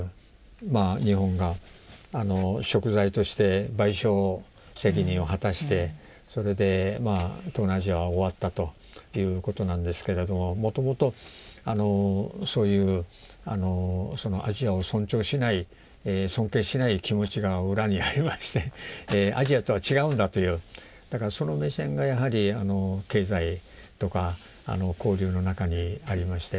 日本が贖罪として賠償責任を果たしてそれで東南アジアは終わったということなんですけれどももともとそういうアジアを尊重しない尊敬しない気持ちが裏にありましてアジアとは違うんだというその目線がやはり経済とか交流の中にありまして。